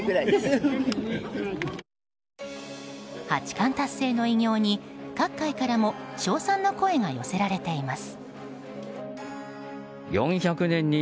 八冠達成の偉業に各界からも称賛の声が寄せられています。